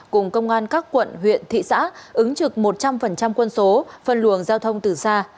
cùng công an các quận huyện thị xã ứng trực một trăm linh quân số phân luồng giao thông từ xa